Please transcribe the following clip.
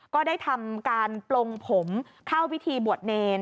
ก็ได้ทำการปลงผมเข้าพิธีบวชเนร